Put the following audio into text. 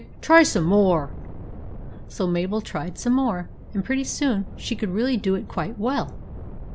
Try some more." So Mabel tried some more, and pretty soon she could really do it quite well.